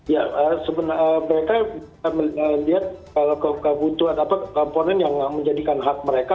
ya sebenarnya mereka melihat kalau kebutuhan apa komponen yang menjadikan hak mereka